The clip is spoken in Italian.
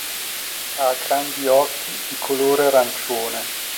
Ha grandi occhi di colore arancione.